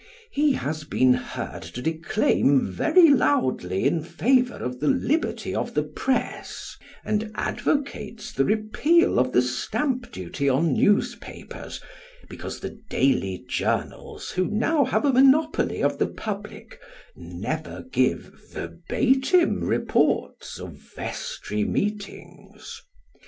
He has been heard to declaim very loudly in favour of the liberty of the press, and advocates the repeal of the stamp duty on newspapers, because the daily journals who now have a monopoly of the public, never give verbatim reports of vestry meetings.